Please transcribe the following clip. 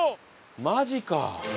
マジか。